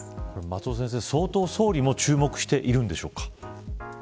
松尾先生、相当、総理も注目しているのでしょうか。